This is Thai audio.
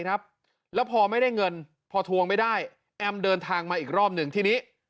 ครับแล้วพอไม่ได้เงินพอทวงไม่ได้แอมเดินทางมาอีกรอบหนึ่งทีนี้